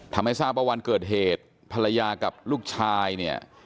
ทำให้ทราบว่าวันเกิดเหตุภรรยากับลูกชายเนี่ย